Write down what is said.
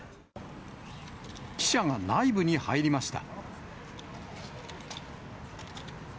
記者が内部に入りました。